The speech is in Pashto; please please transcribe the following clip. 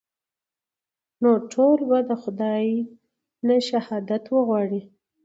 نو ټول به د خداى نه شهادت وغواړئ.